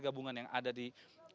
gabungan yang ada di tiga ras